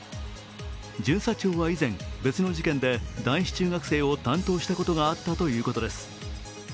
巡査長は以前、別の事件で男子中学生を担当したことがあったということです。